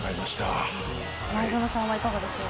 前園さんはいかがでしょうか。